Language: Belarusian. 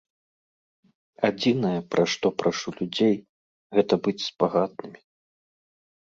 Адзінае пра што папрашу людзей, гэта быць спагаднымі.